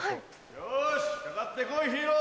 よし掛かって来いヒーロー。